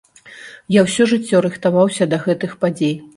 Я ўсё жыццё рыхтаваўся да гэтых падзей.